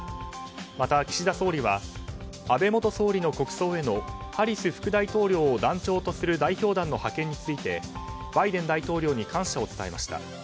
また、岸田総理は安倍元総理の国葬へのハリス副大統領を団長とする代表団の派遣についてバイデン大統領に感謝を伝えました。